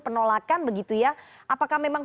penolakan begitu ya apakah memang